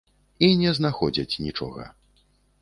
І не знаходзяць нічога.